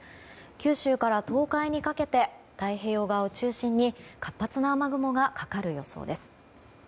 九州から東海にかけて太平洋側を中心に活発な雨雲がかかる予想です。